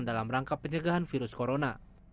dalam rangka pencegahan virus corona